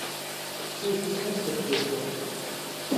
Сэ жысӏэр къывгурыӏуэрэ?